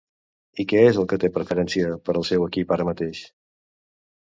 I què és el que té preferència per al seu equip ara mateix?